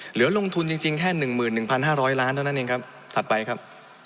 เหลือลงทุนจริงแค่๑๑๕๐๐ล้านเท่านั้นเองครับถัดไปครับ